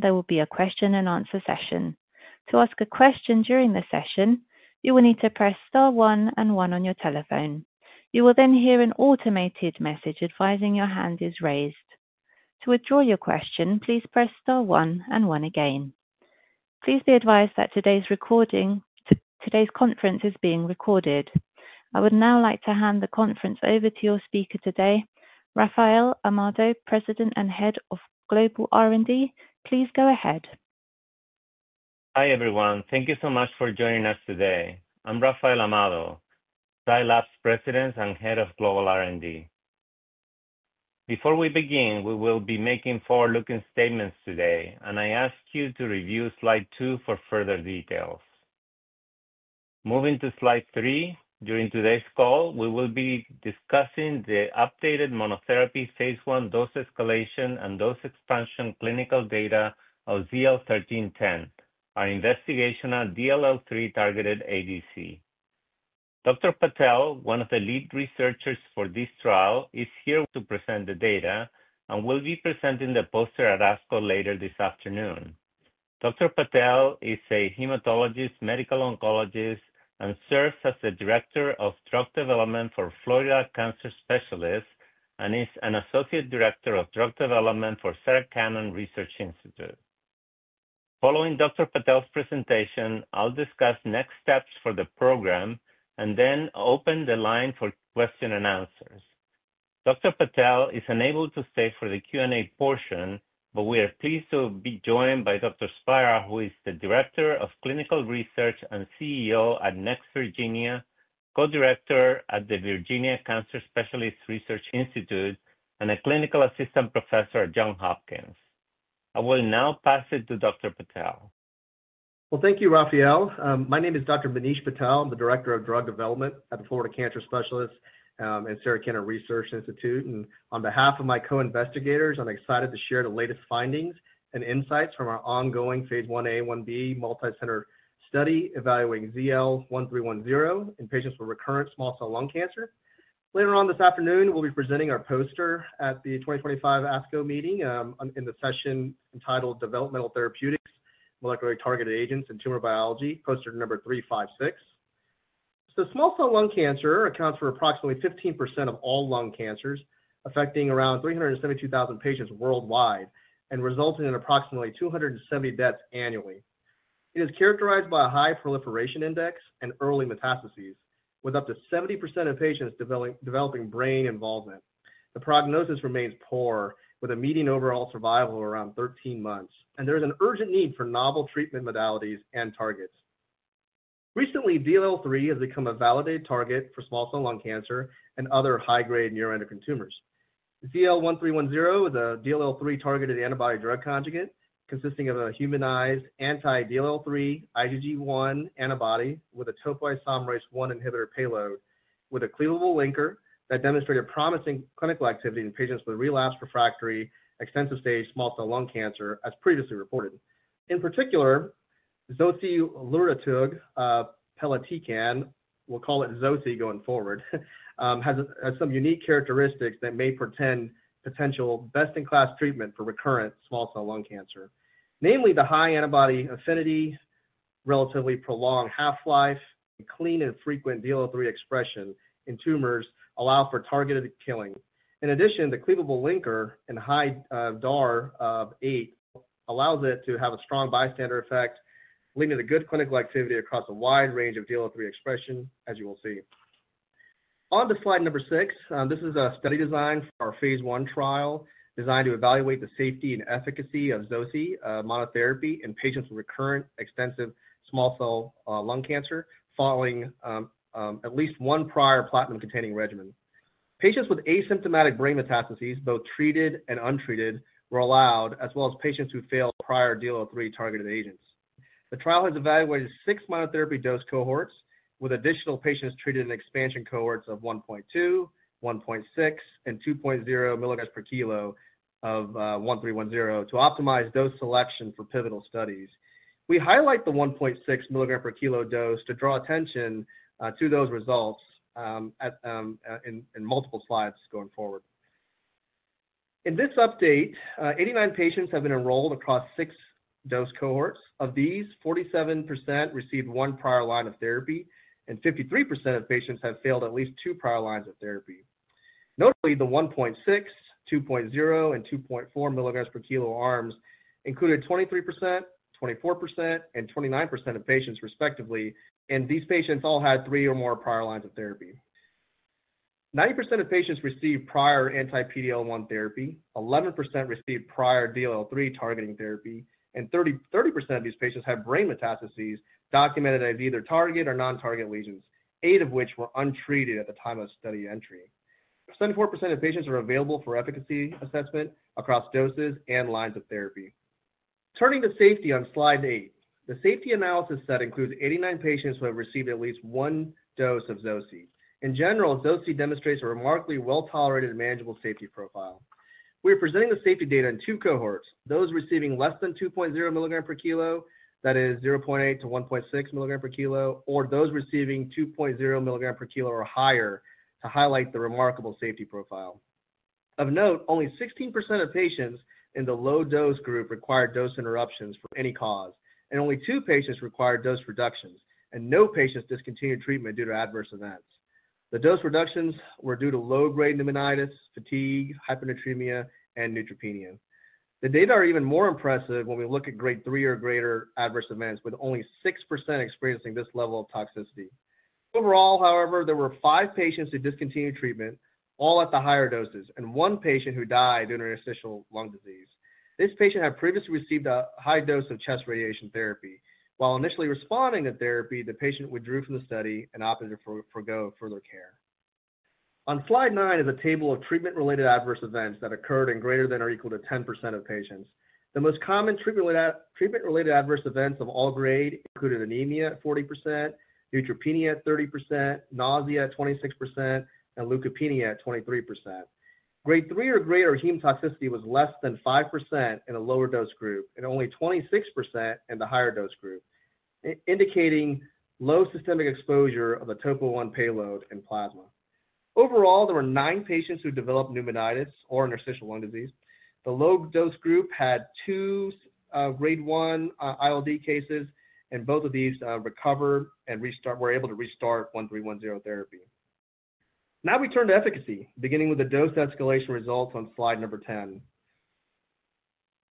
There will be a question-and-answer session. To ask a question during the session, you will need to press star one and one on your telephone. You will then hear an automated message advising your hand is raised. To withdraw your question, please press star one and one again. Please be advised that today's conference is being recorded. I would now like to hand the conference over to your speaker today, Rafael Amado, President and Head of Global R&D. Please go ahead. Hi, everyone. Thank you so much for joining us today. I'm Rafael Amado, Zai Lab's President and Head of Global R&D. Before we begin, we will be making forward-looking statements today, and I ask you to review slide two for further details. Moving to slide three, during today's call, we will be discussing the updated monotherapy phase I dose escalation and dose expansion clinical data of ZL1310, our investigational DLL3 targeted ADC. Dr. Patel, one of the lead researchers for this trial, is here to present the data, and we'll be presenting the poster at ASCO later this afternoon. Dr. Patel is a hematologist, medical oncologist, and serves as the Director of Drug Development for Florida Cancer Specialists and is an Associate Director of Drug Development for Sarah Cannon Research Institute. Following Dr. Patel's presentation, I'll discuss next steps for the program and then open the line for questions and answers. Dr. Patel is unable to stay for the Q&A portion, but we are pleased to be joined by Dr. Smiley, who is the Director of Clinical Research and CEO at Next Virginia, Co-Director at the Virginia Cancer Specialists Research Institute, and a Clinical Assistant Professor at Johns Hopkins. I will now pass it to Dr. Patel. Thank you, Rafael. My name is Dr. Manish Patel. I'm the Director of Drug Development at the Florida Cancer Specialists and Sarah Cannon Research Institute. On behalf of my co-investigators, I'm excited to share the latest findings and insights from our ongoing phase Ia, 1b multicenter study evaluating ZL1310 in patients with recurrent small cell lung cancer. Later on this afternoon, we'll be presenting our poster at the 2025 ASCO meeting in the session entitled Developmental Therapeutics, Molecularly Targeted Agents in Tumor Biology, poster number 356. Small cell lung cancer accounts for approximately 15% of all lung cancers, affecting around 372,000 patients worldwide and resulting in approximately 270,000 deaths annually. It is characterized by a high proliferation index and early metastases, with up to 70% of patients developing brain involvement. The prognosis remains poor, with a median overall survival of around 13 months, and there is an urgent need for novel treatment modalities and targets. Recently, DLL3 has become a validated target for small cell lung cancer and other high-grade neuroendocrine tumors. ZL1310 is a DLL3 targeted antibody-drug conjugate consisting of a humanized anti-DLL3 IgG1 antibody with a topoisomerase I inhibitor payload, with a cleavable linker that demonstrated promising clinical activity in patients with relapsed refractory extensive-stage small cell lung cancer, as previously reported. In particular, Zocilurtatug Pelitecan, we'll call it Zosie going forward, has some unique characteristics that may portend potential best-in-class treatment for recurrent small cell lung cancer. Namely, the high antibody affinity, relatively prolonged half-life, and clean and frequent DLL3 expression in tumors allow for targeted killing. In addition, the cleavable linker and high DAR of eight allows it to have a strong bystander effect, leading to good clinical activity across a wide range of DLL3 expression, as you will see. On to slide number six. This is a study designed for our phase I trial, designed to evaluate the safety and efficacy of ZL1310 monotherapy in patients with recurrent extensive-stage small cell lung cancer following at least one prior platinum-containing regimen. Patients with asymptomatic brain metastases, both treated and untreated, were allowed, as well as patients who failed prior DLL3 targeted agents. The trial has evaluated six monotherapy dose cohorts with additional patients treated in expansion cohorts of 1.2, 1.6, and 2.0 milligram per kg of 1310 to optimize dose selection for pivotal studies. We highlight the 1.6 milligram per kg dose to draw attention to those results in multiple slides going forward. In this update, 89 patients have been enrolled across six dose cohorts. Of these, 47% received one prior line of therapy, and 53% of patients have failed at least two prior lines of therapy. Notably, the 1.6, 2.0, and 2.4 milligrams per kg arms included 23%, 24%, and 29% of patients, respectively, and these patients all had three or more prior lines of therapy. 90% of patients received prior anti-PD-L1 therapy, 11% received prior DLL3 targeting therapy, and 30% of these patients had brain metastases documented as either target or non-target lesions, eight of which were untreated at the time of study entry. 74% of patients are available for efficacy assessment across doses and lines of therapy. Turning to safety on slide eight, the safety analysis set includes 89 patients who have received at least one dose of Zosie. In general, Zosie demonstrates a remarkably well-tolerated and manageable safety profile. We are presenting the safety data in two cohorts: those receiving less than 2.0 milligrams per kg, that is 0.8 to 1.6 milligrams per kg, or those receiving 2.0 milligrams per kg or higher, to highlight the remarkable safety profile. Of note, only 16% of patients in the low-dose group required dose interruptions for any cause, and only two patients required dose reductions, and no patients discontinued treatment due to adverse events. The dose reductions were due to low-grade pneumonitis, fatigue, hyponatremia, and neutropenia. The data are even more impressive when we look at grade three or greater adverse events, with only 6% experiencing this level of toxicity. Overall, however, there were five patients who discontinued treatment, all at the higher doses, and one patient who died due to interstitial lung disease. This patient had previously received a high dose of chest radiation therapy. While initially responding to therapy, the patient withdrew from the study and opted to forgo further care. On slide nine is a table of treatment-related adverse events that occurred in greater than or equal to 10% of patients. The most common treatment-related adverse events of all grade included anemia at 40%, neutropenia at 30%, nausea at 26%, and leukopenia at 23%. Grade three or greater heme toxicity was less than 5% in the lower dose group and only 26% in the higher dose group, indicating low systemic exposure of the topo-1 payload and plasma. Overall, there were nine patients who developed pneumonitis or interstitial lung disease. The low-dose group had two grade one ILD cases, and both of these recovered and were able to restart 1310 therapy. Now we turn to efficacy, beginning with the dose escalation results on slide number 10.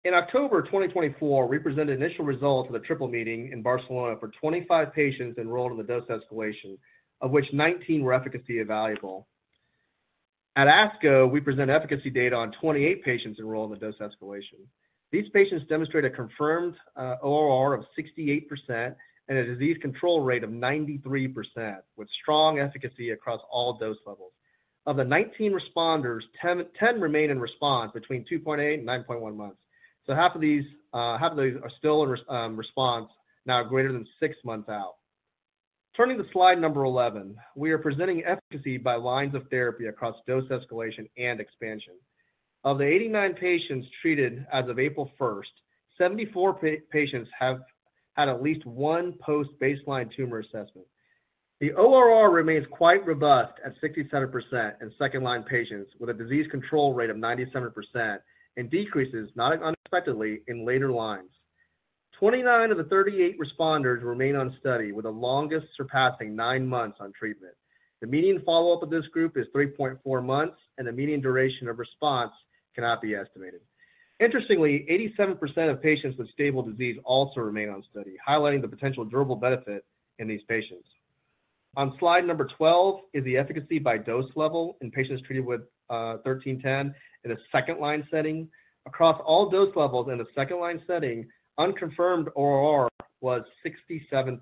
In October of 2024, we presented initial results of the triple meeting in Barcelona for 25 patients enrolled in the dose escalation, of which 19 were efficacy evaluable. At ASCO, we presented efficacy data on 28 patients enrolled in the dose escalation. These patients demonstrate a confirmed ORR of 68% and a disease control rate of 93%, with strong efficacy across all dose levels. Of the 19 responders, 10 remained in response between 2.8 and 9.1 months. Half of these are still in response, now greater than six months out. Turning to slide number 11, we are presenting efficacy by lines of therapy across dose escalation and expansion. Of the 89 patients treated as of April 1st, 74 patients have had at least one post-baseline tumor assessment. The ORR remains quite robust at 67% in second-line patients with a disease control rate of 97% and decreases, not unexpectedly, in later lines. Twenty-nine of the 38 responders remain on study, with the longest surpassing nine months on treatment. The median follow-up of this group is 3.4 months, and the median duration of response cannot be estimated. Interestingly, 87% of patients with stable disease also remain on study, highlighting the potential durable benefit in these patients. On slide number 12 is the efficacy by dose level in patients treated with 1310 in a second-line setting. Across all dose levels in the second-line setting, unconfirmed ORR was 67%.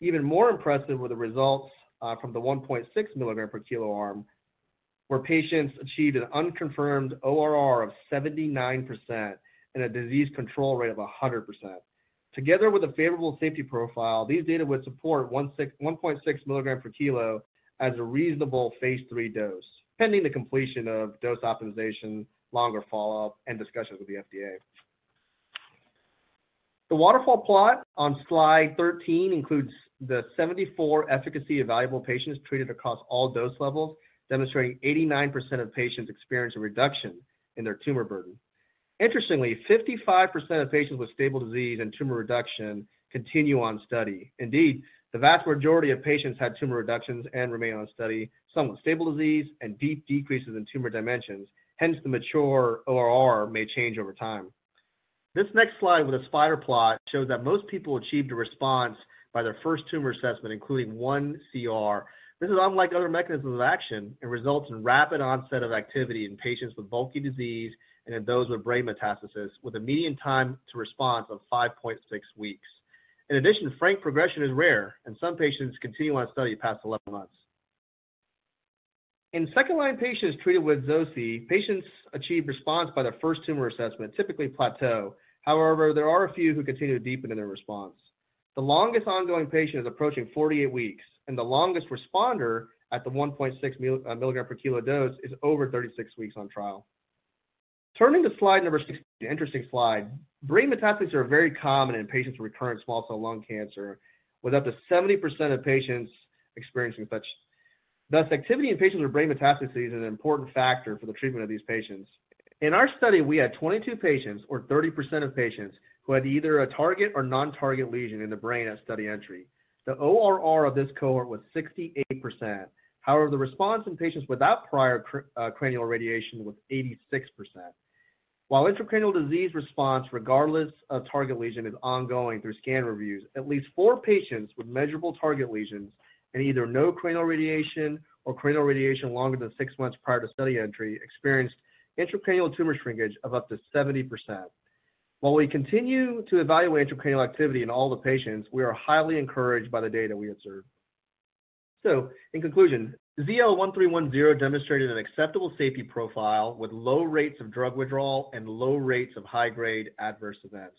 Even more impressive were the results from the 1.6 mg per kg arm, where patients achieved an unconfirmed ORR of 79% and a disease control rate of 100%. Together with a favorable safety profile, these data would support 1.6 mg per kg as a reasonable phase III dose, pending the completion of dose optimization, longer follow-up, and discussions with the FDA. The waterfall plot on slide 13 includes the 74 efficacy evaluable patients treated across all dose levels, demonstrating 89% of patients experienced a reduction in their tumor burden. Interestingly, 55% of patients with stable disease and tumor reduction continue on study. Indeed, the vast majority of patients had tumor reductions and remain on study, some with stable disease and deep decreases in tumor dimensions. Hence, the mature ORR may change over time. This next slide with a spider plot shows that most people achieved a response by their first tumor assessment, including one CR. This is unlike other mechanisms of action and results in rapid onset of activity in patients with bulky disease and in those with brain metastases, with a median time to response of 5.6 weeks. In addition, frank progression is rare, and some patients continue on study past 11 months. In second-line patients treated with Zosie, patients achieve response by their first tumor assessment, typically plateau. However, there are a few who continue to deepen in their response. The longest ongoing patient is approaching 48 weeks, and the longest responder at the 1.6 mg per kg dose is over 36 weeks on trial. Turning to slide number 16, an interesting slide, brain metastases are very common in patients with recurrent small cell lung cancer, with up to 70% of patients experiencing such. Thus, activity in patients with brain metastases is an important factor for the treatment of these patients. In our study, we had 22 patients, or 30% of patients, who had either a target or non-target lesion in the brain at study entry. The ORR of this cohort was 68%. However, the response in patients without prior cranial radiation was 86%. While intracranial disease response, regardless of target lesion, is ongoing through scan reviews, at least four patients with measurable target lesions and either no cranial radiation or cranial radiation longer than six months prior to study entry experienced intracranial tumor shrinkage of up to 70%. While we continue to evaluate intracranial activity in all the patients, we are highly encouraged by the data we observe. In conclusion, ZL1310 demonstrated an acceptable safety profile with low rates of drug withdrawal and low rates of high-grade adverse events.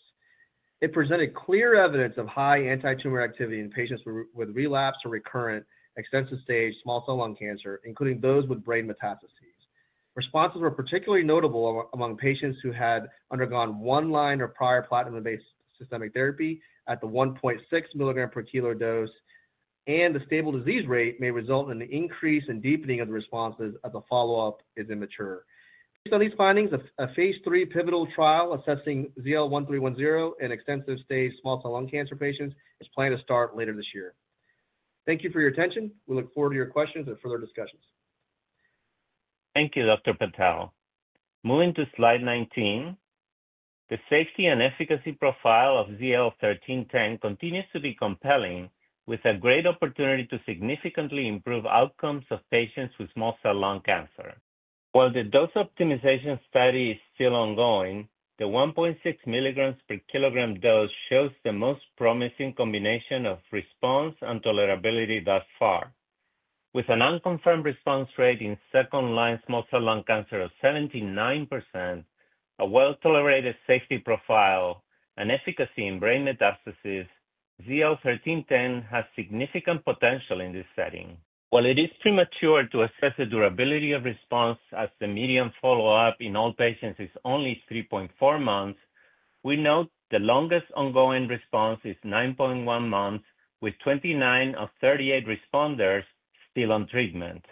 It presented clear evidence of high anti-tumor activity in patients with relapsed or recurrent extensive stage small cell lung cancer, including those with brain metastases. Responses were particularly notable among patients who had undergone one line or prior platinum-based systemic therapy at the 1.6 mg per kg dose, and the stable disease rate may result in an increase in deepening of the responses as the follow-up is immature. Based on these findings, a phase III pivotal trial assessing ZL1310 in extensive stage small cell lung cancer patients is planned to start later this year. Thank you for your attention. We look forward to your questions and further discussions. Thank you, Dr. Patel. Moving to slide 19, the safety and efficacy profile of ZL1310 continues to be compelling, with a great opportunity to significantly improve outcomes of patients with small cell lung cancer. While the dose optimization study is still ongoing, the 1.6 mg per kg dose shows the most promising combination of response and tolerability thus far. With an unconfirmed response rate in second-line small cell lung cancer of 79%, a well-tolerated safety profile, and efficacy in brain metastases, ZL1310 has significant potential in this setting. While it is premature to assess the durability of response as the median follow-up in all patients is only 3.4 months, we note the longest ongoing response is 9.1 months, with 29 of 38 responders still on treatment.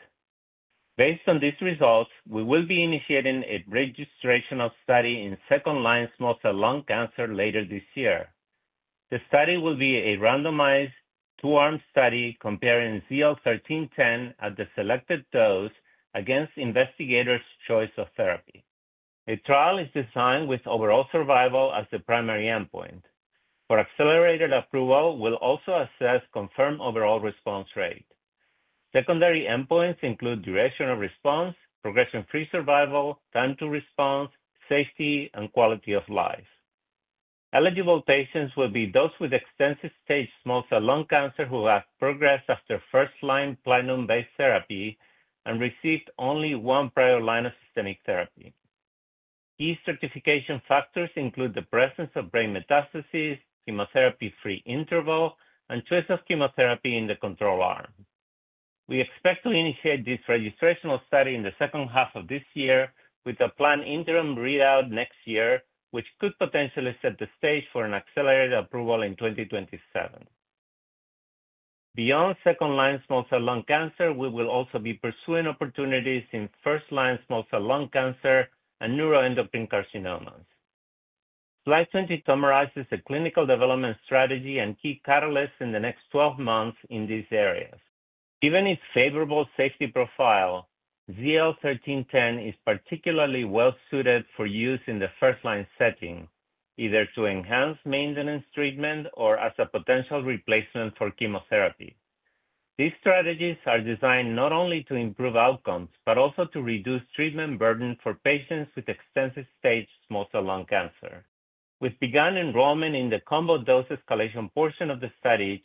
Based on these results, we will be initiating a registration study in second-line small cell lung cancer later this year. The study will be a randomized two-arm study comparing ZL1310 at the selected dose against investigators' choice of therapy. The trial is designed with overall survival as the primary endpoint. For accelerated approval, we'll also assess confirmed overall response rate. Secondary endpoints include duration of response, progression-free survival, time to response, safety, and quality of life. Eligible patients will be those with extensive stage small cell lung cancer who have progressed after first-line platinum-based therapy and received only one prior line of systemic therapy. Key certification factors include the presence of brain metastases, chemotherapy-free interval, and choice of chemotherapy in the control arm. We expect to initiate this registrational study in the second half of this year, with a planned interim readout next year, which could potentially set the stage for an accelerated approval in 2027. Beyond second-line small cell lung cancer, we will also be pursuing opportunities in first-line small cell lung cancer and neuroendocrine carcinomas. Slide 20 summarizes the clinical development strategy and key catalysts in the next 12 months in these areas. Given its favorable safety profile, ZL1310 is particularly well-suited for use in the first-line setting, either to enhance maintenance treatment or as a potential replacement for chemotherapy. These strategies are designed not only to improve outcomes, but also to reduce treatment burden for patients with extensive-stage small cell lung cancer. We've begun enrollment in the combo dose escalation portion of the study,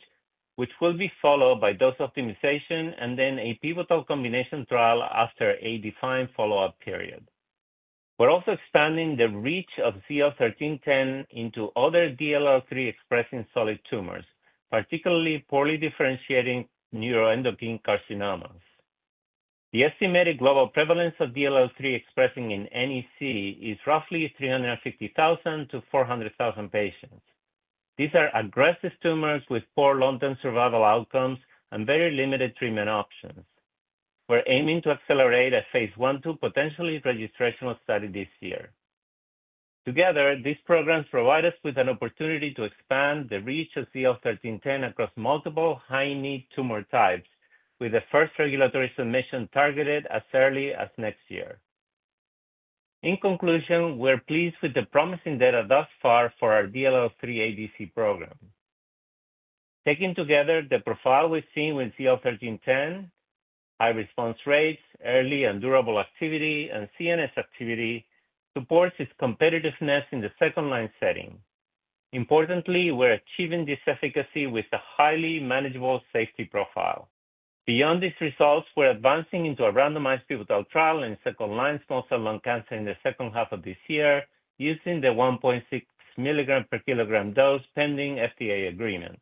which will be followed by dose optimization and then a pivotal combination trial after a defined follow-up period. We're also expanding the reach of ZL1310 into other DLL3-expressing solid tumors, particularly poorly differentiating neuroendocrine carcinomas. The estimated global prevalence of DLL3-expressing in NEC is roughly 350,000 to 400,000 patients. These are aggressive tumors with poor long-term survival outcomes and very limited treatment options. We're aiming to accelerate a phase I to potentially registrational study this year. Together, these programs provide us with an opportunity to expand the reach of ZL1310 across multiple high-need tumor types, with the first regulatory submission targeted as early as next year. In conclusion, we're pleased with the promising data thus far for our DLL3-ADC program. Taking together the profile we've seen with ZL1310, high response rates, early and durable activity, and CNS activity, supports its competitiveness in the second-line setting. Importantly, we're achieving this efficacy with a highly manageable safety profile. Beyond these results, we're advancing into a randomized pivotal trial in second-line small cell lung cancer in the second half of this year, using the 1.6 mg per kg dose pending FDA agreement.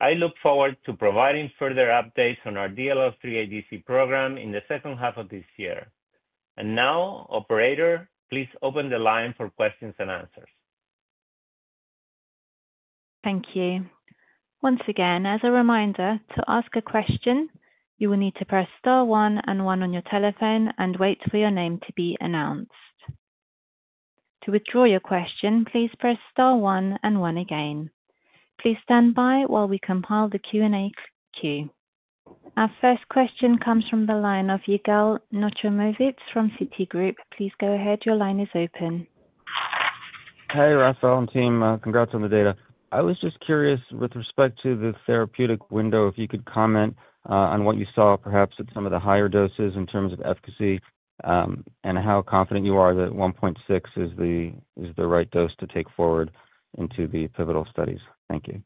I look forward to providing further updates on our DLL3-ADC program in the second half of this year. Now, operator, please open the line for questions and answers. Thank you. Once again, as a reminder, to ask a question, you will need to press star one and one on your telephone and wait for your name to be announced. To withdraw your question, please press star one and one again. Please stand by while we compile the Q&A queue. Our first question comes from the line of Yigal Nochomovitz from Citigroup. Please go ahead. Your line is open. Hey, Rafael and team. Congrats on the data. I was just curious with respect to the therapeutic window, if you could comment on what you saw, perhaps at some of the higher doses in terms of efficacy and how confident you are that 1.6 is the right dose to take forward into the pivotal studies. Thank you.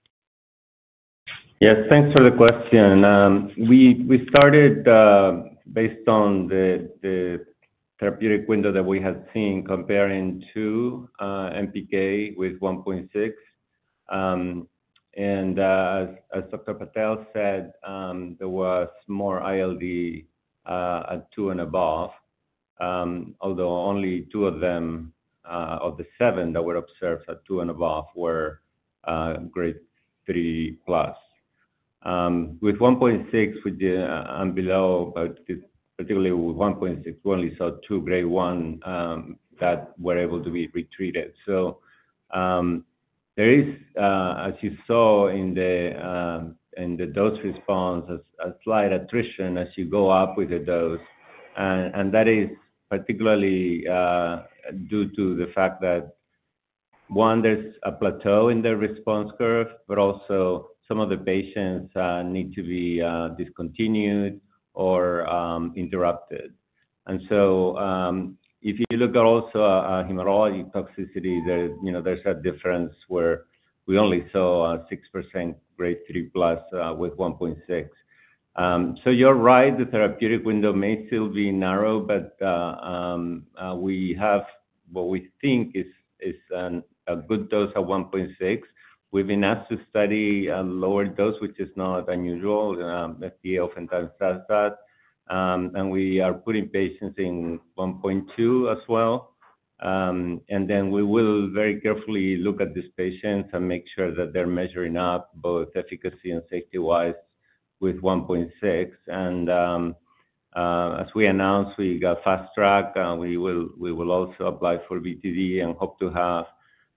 Yes, thanks for the question. We started based on the therapeutic window that we had seen comparing two MPK with 1.6. And as Dr. Patel said, there was more ILD at two and above, although only two of them of the seven that were observed at two and above were grade three plus. With 1.6 and below, particularly with 1.6, we only saw two grade one that were able to be retreated. There is, as you saw in the dose response, a slight attrition as you go up with the dose. That is particularly due to the fact that, one, there's a plateau in the response curve, but also some of the patients need to be discontinued or interrupted. If you look at also a hematology toxicity, there's a difference where we only saw a 6% grade three plus with 1.6. You're right, the therapeutic window may still be narrow, but we have what we think is a good dose at 1.6. We've been asked to study a lower dose, which is not unusual. FDA oftentimes does that. We are putting patients in 1.2 as well. We will very carefully look at these patients and make sure that they're measuring up both efficacy and safety-wise with 1.6. As we announced, we got fast track. We will also apply for VTD and hope to have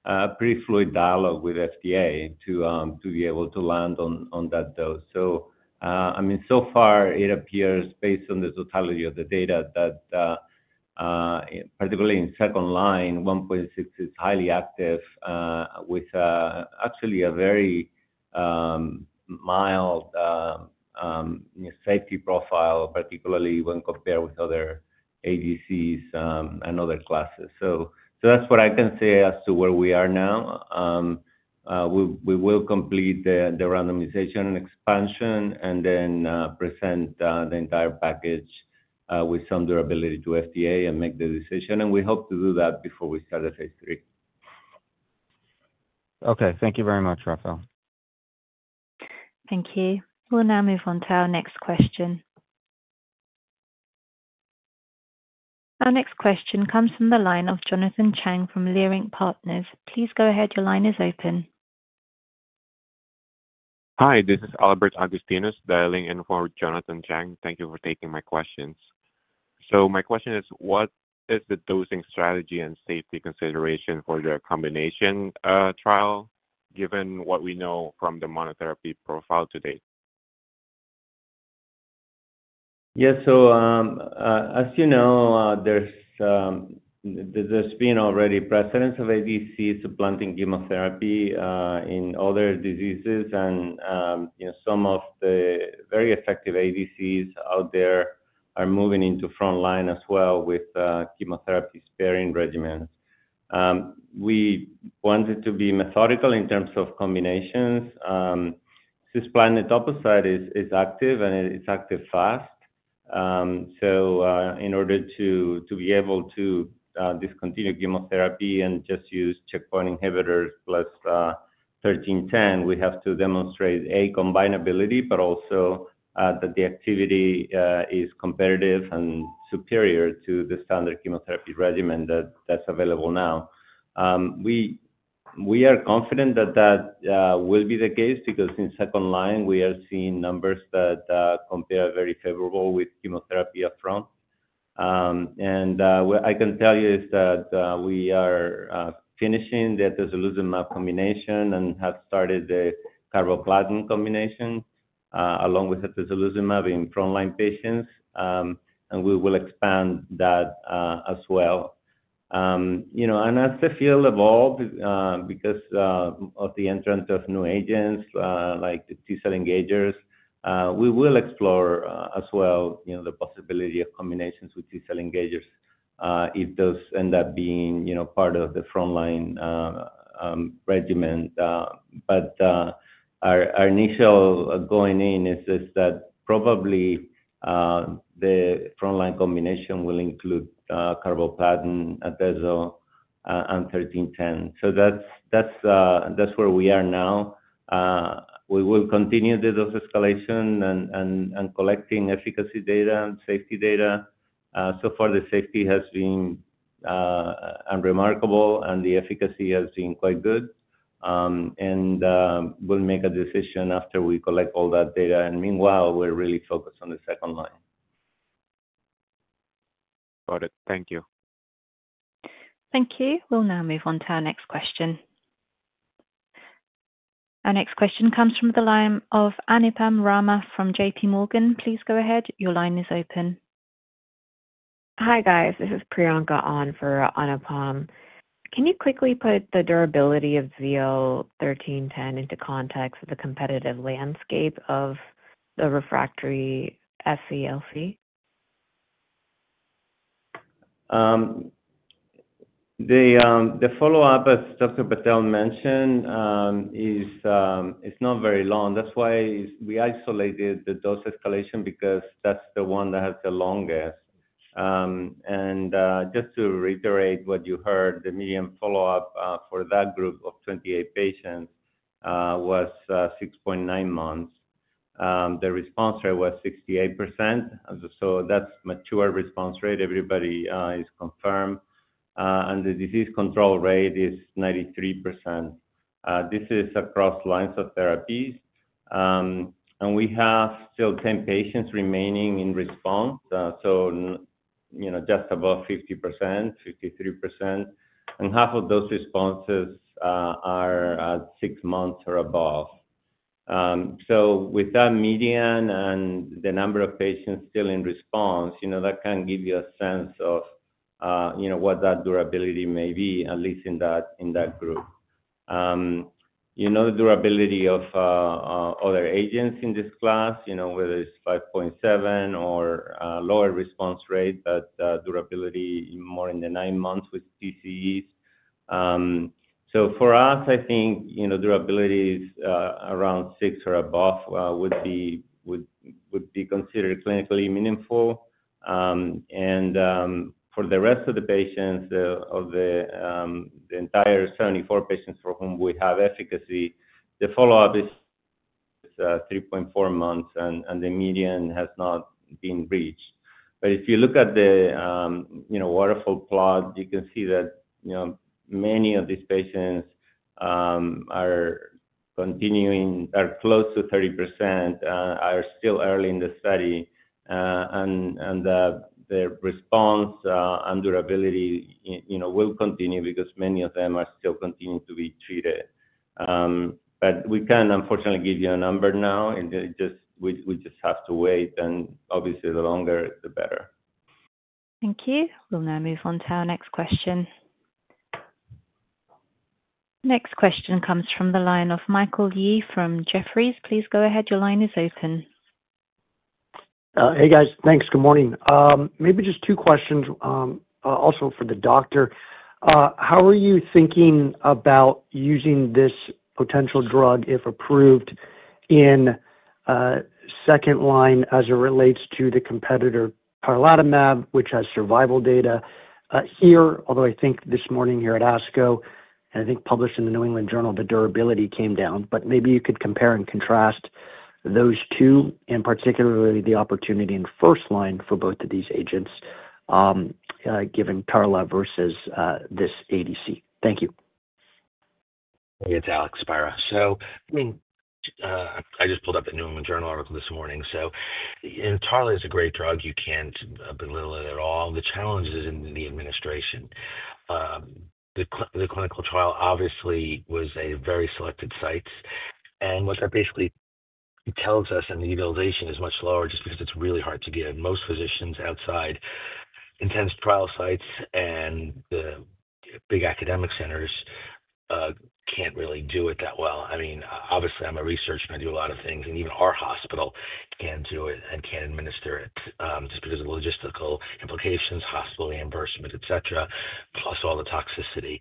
a pretty fluid dialogue with FDA to be able to land on that dose. I mean, so far, it appears, based on the totality of the data, that particularly in second line, 1.6 is highly active with actually a very mild safety profile, particularly when compared with other ADCs and other classes. That's what I can say as to where we are now. We will complete the randomization expansion and then present the entire package with some durability to FDA and make the decision. We hope to do that before we start the phase III. Thank you very much, Rafael. Thank you. We'll now move on to our next question. Our next question comes from the line of Jonathan Chang from Leerink Partners. Please go ahead. Your line is open. Hi, this is Albert Agustinus, dialing in for Jonathan Chang. Thank you for taking my questions. My question is, what is the dosing strategy and safety consideration for the combination trial given what we know from the monotherapy profile to date? Yes. As you know, there's been already precedence of ADC supplanting chemotherapy in other diseases. Some of the very effective ADCs out there are moving into front line as well with chemotherapy-sparing regimens. We wanted to be methodical in terms of combinations. Cisplatin and Etoposide is active, and it's active fast. In order to be able to discontinue chemotherapy and just use checkpoint inhibitors plus 1310, we have to demonstrate, A, combinability, but also that the activity is competitive and superior to the standard chemotherapy regimen that's available now. We are confident that that will be the case because in second line, we are seeing numbers that compare very favorably with chemotherapy upfront. What I can tell you is that we are finishing the Atezolizumab combination and have started the carboplatin combination along with Atezolizumab in front line patients. We will expand that as well. As the field evolves because of the entrance of new agents like T-cell engagers, we will explore as well the possibility of combinations with T-cell engagers if those end up being part of the front line regimen. Our initial going in is that probably the front line combination will include Carboplatin, Atezo, and 1310. That is where we are now. We will continue the dose escalation and collecting efficacy data and safety data. So far, the safety has been unremarkable, and the efficacy has been quite good. We will make a decision after we collect all that data. Meanwhile, we are really focused on the second line. Got it. Thank you. Thank you. We will now move on to our next question. Our next question comes from the line of Anupam Rama from J.P. Morgan. Please go ahead. Your line is open. Hi, guys. This is Priyanka On for Anupam. Can you quickly put the durability of ZL1310 into context of the competitive landscape of the refractory SCLC? The follow-up, as Dr. Patel mentioned, is not very long. That is why we isolated the dose escalation because that is the one that has the longest. And just to reiterate what you heard, the median follow-up for that group of 28 patients was 6.9 months. The response rate was 68%. That is mature response rate. Everybody is confirmed. The disease control rate is 93%. This is across lines of therapies. We have still 10 patients remaining in response, just above 50%, 53%. Half of those responses are at six months or above. With that median and the number of patients still in response, that can give you a sense of what that durability may be, at least in that group. You know the durability of other agents in this class, whether it's 5.7 or lower response rate, but durability more in the nine months with TCEs. For us, I think durability is around six or above would be considered clinically meaningful. For the rest of the patients, of the entire 74 patients for whom we have efficacy, the follow-up is 3.4 months, and the median has not been reached. If you look at the waterfall plot, you can see that many of these patients, close to 30%, are still early in the study. Their response and durability will continue because many of them are still continuing to be treated. We can, unfortunately, not give you a number now. We just have to wait. Obviously, the longer, the better. Thank you. We'll now move on to our next question. Next question comes from the line of Michael Yee from Jefferies. Please go ahead. Your line is open. Hey, guys. Thanks. Good morning. Maybe just two questions also for the doctor. How are you thinking about using this potential drug, if approved, in second line as it relates to the competitor, Tarlatamab, which has survival data here? Although I think this morning here at ASCO, and I think published in the New England Journal, the durability came down. Maybe you could compare and contrast those two, and particularly the opportunity in first line for both of these agents, given Tarla versus this ADC. Thank you. It's Alex Spiro. I just pulled up the New England Journal article this morning. Tarla is a great drug. You can't belittle it at all. The challenge is in the administration. The clinical trial obviously was a very selected site. What that basically tells us, and the utilization is much lower just because it's really hard to get. Most physicians outside intense trial sites and the big academic centers can't really do it that well. I mean, obviously, I'm a researcher. I do a lot of things. Even our hospital can't do it and can't administer it just because of logistical implications, hospital reimbursement, etc., plus all the toxicity.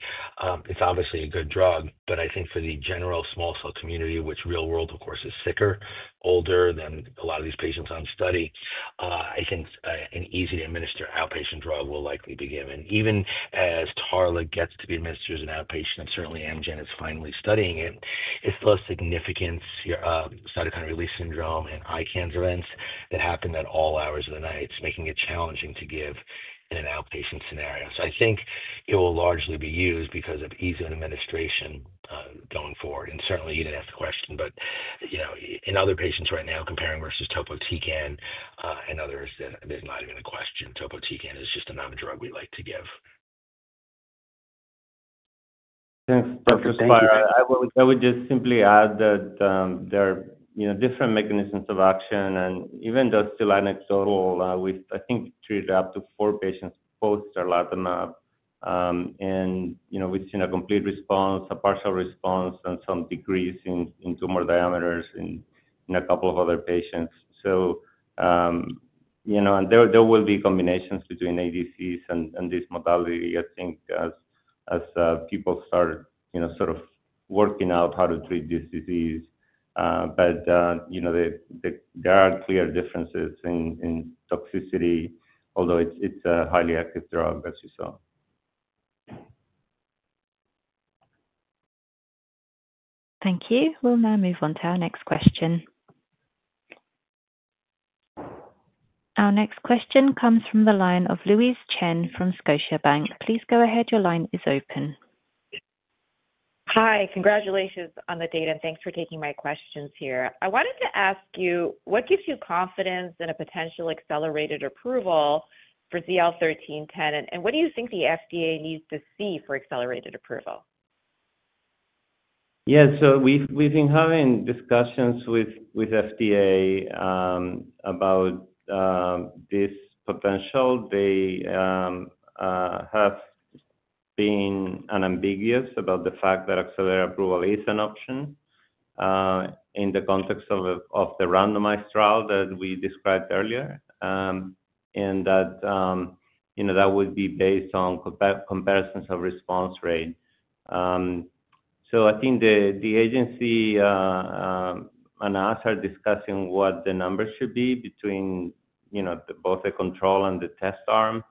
It's obviously a good drug. I think for the general small cell community, which real world, of course, is sicker, older than a lot of these patients on study, I think an easy-to-administer outpatient drug will likely be given. Even as Tarlatamab gets to be administered as an outpatient, and certainly Amgen is finally studying it, it's less significant cytokine release syndrome and eye cancer events that happen at all hours of the night, making it challenging to give in an outpatient scenario. I think it will largely be used because of ease of administration going forward. Certainly, you didn't ask the question. In other patients right now, comparing versus Topotecan and others, there's not even a question. Topotecan is just another drug we like to give. Thanks, Dr. Spiro. I would just simply add that there are different mechanisms of action. Even though it's still anecdotal, we've, I think, treated up to four patients post-Tarlatamab. We've seen a complete response, a partial response, and some decrease in tumor diameters in a couple of other patients. There will be combinations between ADCs and this modality, I think, as people start sort of working out how to treat this disease. There are clear differences in toxicity, although it's a highly active drug, as you saw. Thank you. We'll now move on to our next question. Our next question comes from the line of Louise Chen from Scotiabank. Please go ahead. Your line is open. Hi. Congratulations on the data. Thanks for taking my questions here. I wanted to ask you, what gives you confidence in a potential accelerated approval for ZL1310? What do you think the FDA needs to see for accelerated approval? Yes. We've been having discussions with FDA about this potential. They have been unambiguous about the fact that accelerated approval is an option in the context of the randomized trial that we described earlier. That would be based on comparisons of response rate. I think the agency and us are discussing what the numbers should be between both the control and the test arm.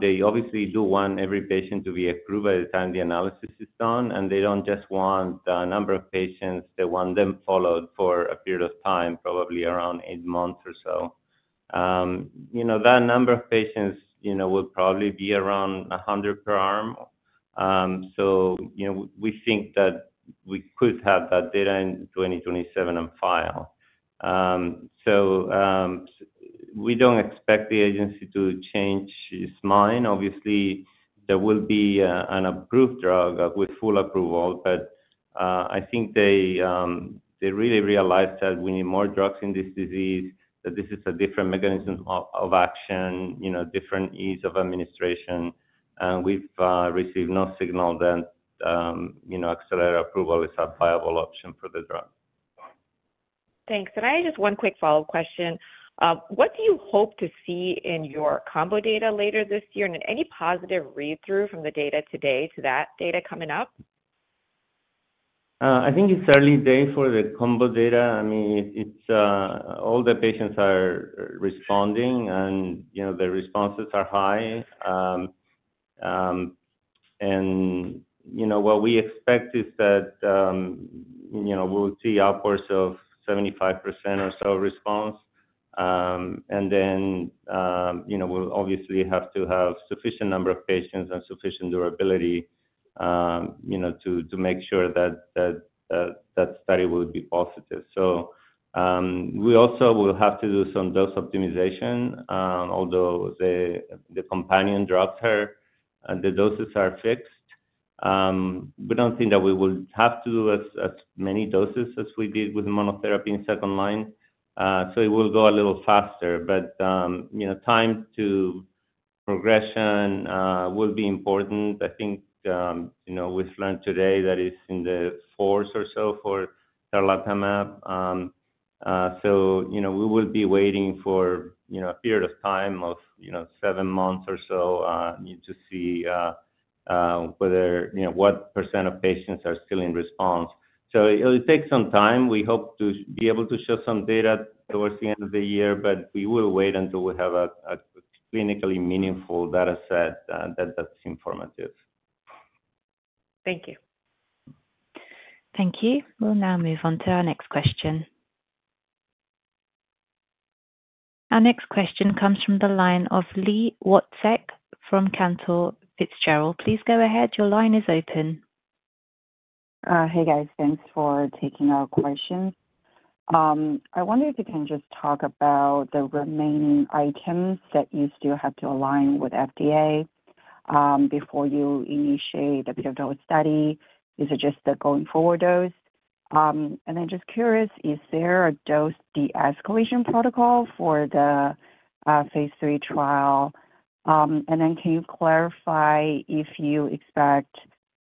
They obviously do want every patient to be approved by the time the analysis is done. They do not just want the number of patients. They want them followed for a period of time, probably around eight months or so. That number of patients would probably be around 100 per arm. We think that we could have that data in 2027 on file. We don't expect the agency to change its mind. Obviously, there will be an approved drug with full approval. I think they really realize that we need more drugs in this disease, that this is a different mechanism of action, different ease of administration. We have received no signal that accelerated approval is a viable option for the drug. Thanks. Can I have just one quick follow-up question? What do you hope to see in your combo data later this year? Any positive read-through from the data today to that data coming up? I think it is early day for the combo data. I mean, all the patients are responding, and their responses are high. What we expect is that we will see upwards of 75% or so response. We obviously have to have a sufficient number of patients and sufficient durability to make sure that that study will be positive. We also will have to do some dose optimization, although the companion drugs and the doses are fixed. We do not think that we will have to do as many doses as we did with monotherapy in second line. It will go a little faster. Time to progression will be important. I think we've learned today that it's in the fourth or so for Tarlatamab. We will be waiting for a period of time of seven months or so to see what percent of patients are still in response. It will take some time. We hope to be able to show some data towards the end of the year. We will wait until we have a clinically meaningful dataset that's informative. Thank you. Thank you. We'll now move on to our next question. Our next question comes from the line of Li Watsek from Cantor Fitzgerald. Please go ahead. Your line is open. Hey, guys. Thanks for taking our questions. I wonder if you can just talk about the remaining items that you still have to align with FDA before you initiate a pivotal study. Is it just the going-forward dose? I'm just curious, is there a dose de-escalation protocol for the phase III trial? Can you clarify if you expect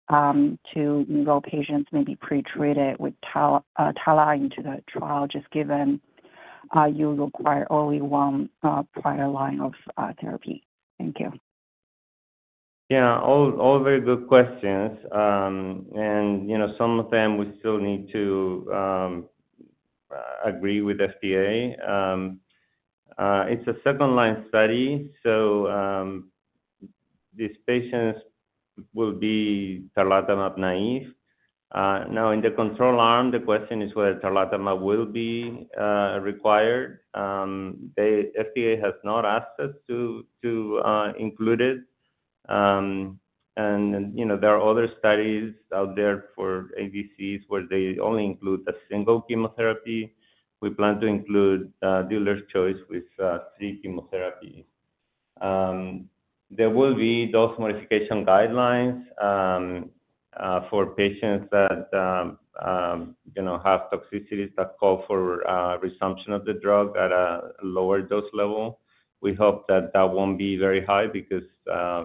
to enroll patients maybe pretreated with Tarlatamab into the trial just given you require only one prior line of therapy? Thank you. Yeah. All very good questions. Some of them, we still need to agree with FDA. It's a second-line study. These patients will be Tarlatamab naive. In the control arm, the question is whether Tarlatamab will be required. The FDA has not asked us to include it. There are other studies out there for ADCs where they only include a single chemotherapy. We plan to include dealer's choice with three chemotherapies. There will be dose modification guidelines for patients that have toxicities that call for resumption of the drug at a lower dose level. We hope that that won't be very high because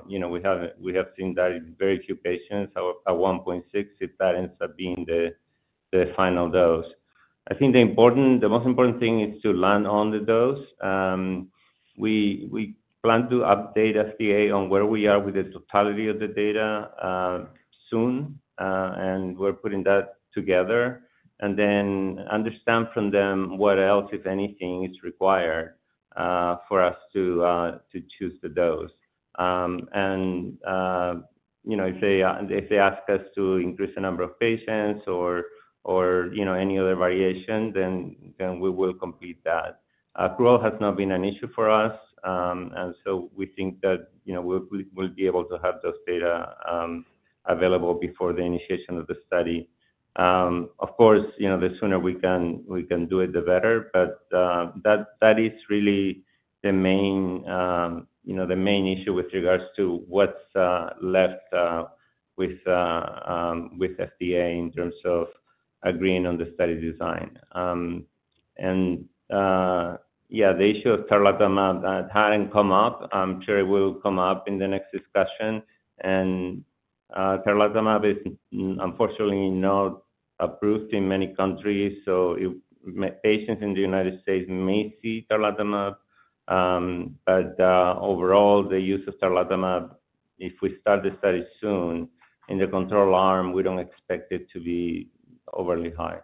we have seen that in very few patients at 1.6 if that ends up being the final dose. I think the most important thing is to land on the dose. We plan to update FDA on where we are with the totality of the data soon. We're putting that together. Then understand from them what else, if anything, is required for us to choose the dose. If they ask us to increase the number of patients or any other variation, we will complete that. Accrual has not been an issue for us. We think that we'll be able to have those data available before the initiation of the study. Of course, the sooner we can do it, the better. That is really the main issue with regards to what's left with FDA in terms of agreeing on the study design. The issue of Tarlatamab, that hadn't come up, I'm sure it will come up in the next discussion. Tarlatamab is unfortunately not approved in many countries. Patients in the United States may see Tarlatamab. Overall, the use of Tarlatamab, if we start the study soon in the control arm, we don't expect it to be overly high.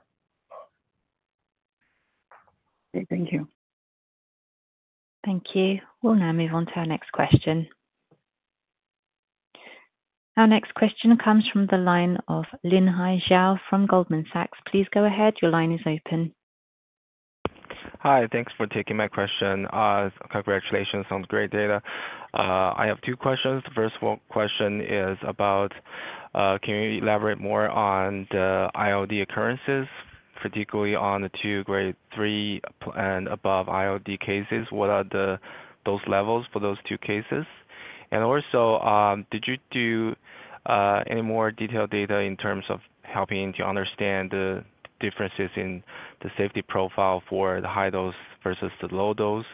Okay. Thank you. Thank you. We'll now move on to our next question. Our next question comes from the line of Linhai Zhao from Goldman Sachs. Please go ahead. Your line is open. Hi. Thanks for taking my question. Congratulations. Sounds great data. I have two questions. The first question is about, can you elaborate more on the ILD occurrences, particularly on the two grade three and above ILD cases? What are those levels for those two cases? Also, did you do any more detailed data in terms of helping to understand the differences in the safety profile for the high dose versus the low dose?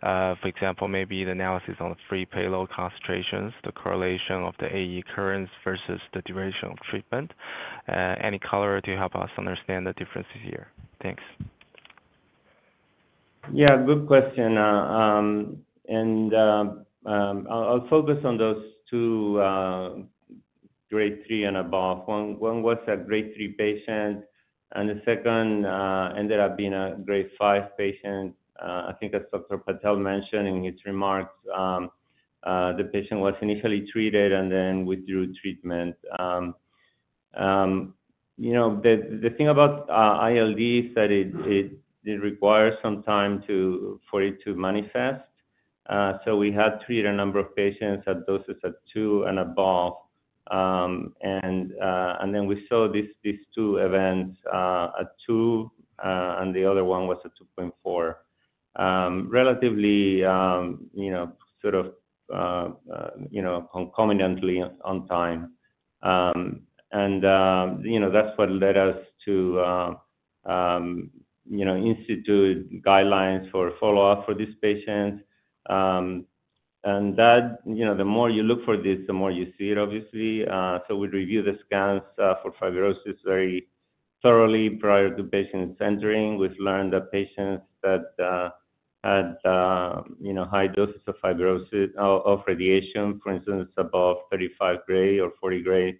For example, maybe the analysis on the free payload concentrations, the correlation of the AE currents versus the duration of treatment. Any color to help us understand the differences here? Thanks. Yeah. Good question. I'll focus on those two grade three and above. One was a grade three patient. The second ended up being a grade five patient. I think as Dr. Patel mentioned in his remarks, the patient was initially treated and then withdrew treatment. The thing about ILD is that it requires some time for it to manifest. We had treated a number of patients at doses at two and above. We saw these two events at two, and the other one was at 2.4, relatively sort of concomitantly on time. That is what led us to institute guidelines for follow-up for these patients. The more you look for this, the more you see it, obviously. We review the scans for fibrosis very thoroughly prior to patients entering. We have learned that patients that had high doses of radiation, for instance, above 35 gray or 40 gray,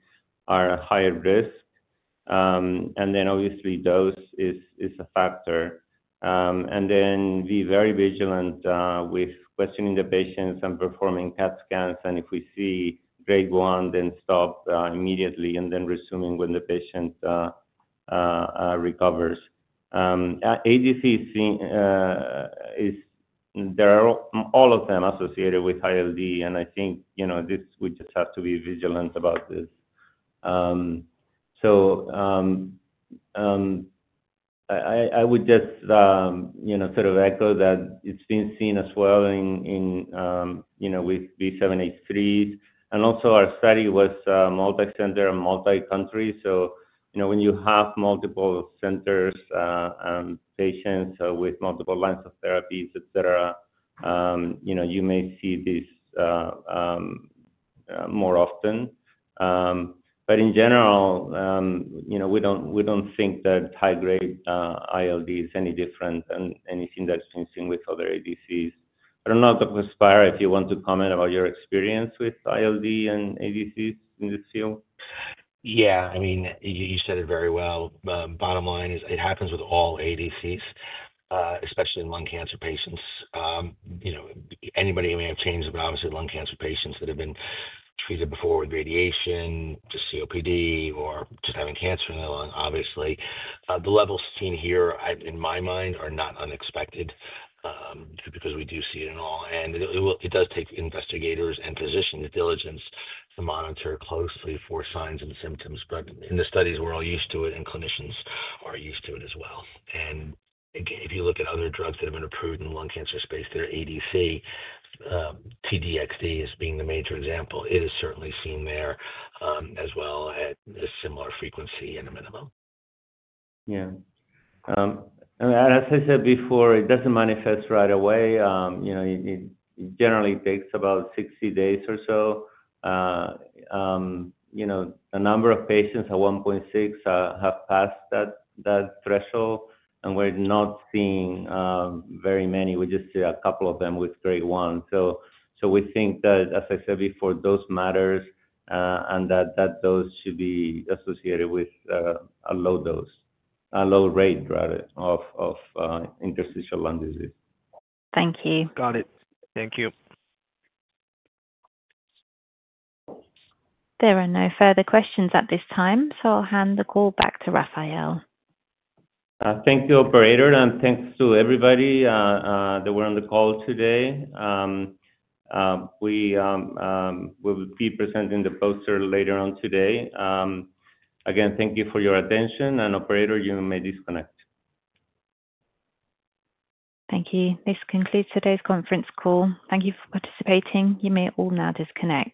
are at higher risk. Obviously, dose is a factor. Be very vigilant with questioning the patients and performing PET scans. If we see grade one, then stop immediately and then resume when the patient recovers. ADCs, there are all of them associated with ILD. I think we just have to be vigilant about this. I would just sort of echo that it's been seen as well with B7H3s. Also, our study was multi-center and multi-country. When you have multiple centers and patients with multiple lines of therapies, etc., you may see this more often. In general, we do not think that high-grade ILD is any different than anything that has been seen with other ADCs. I do not know, Dr. Spiro, if you want to comment about your experience with ILD and ADCs in this field. Yeah. I mean, you said it very well. Bottom line is it happens with all ADCs, especially in lung cancer patients. Anybody may have changed, but obviously, lung cancer patients that have been treated before with radiation, just COPD, or just having cancer in the lung, obviously, the levels seen here, in my mind, are not unexpected because we do see it in all. It does take investigators and physicians' diligence to monitor closely for signs and symptoms. In the studies, we're all used to it, and clinicians are used to it as well. If you look at other drugs that have been approved in the lung cancer space, their ADC, TDXD, as being the major example, it is certainly seen there as well at a similar frequency and a minimum. Yeah. As I said before, it doesn't manifest right away. It generally takes about 60 days or so. A number of patients at 1.6 have passed that threshold. We're not seeing very many. We just see a couple of them with grade one. We think that, as I said before, dose matters and that that dose should be associated with a low dose, a low rate, rather, of interstitial lung disease. Thank you. Got it. Thank you. There are no further questions at this time. I will hand the call back to Rafael. Thank you, Operator. Thanks to everybody that were on the call today. We will be presenting the poster later on today. Again, thank you for your attention. Operator, you may disconnect. Thank you. This concludes today's conference call. Thank you for participating. You may all now disconnect.